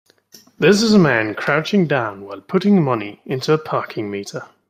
This is a man crouching down while putting money into a parking meter